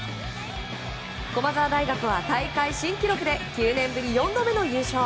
駒澤大学は大会新記録で９年ぶり４度目の優勝。